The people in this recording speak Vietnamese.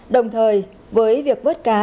đồng thời với việc vớt cá